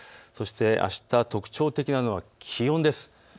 そして、あした特徴的なのは気温です。